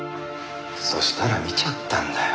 そしたら見ちゃったんだよ